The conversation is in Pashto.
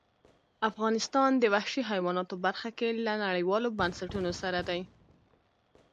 افغانستان د وحشي حیواناتو برخه کې له نړیوالو بنسټونو سره دی.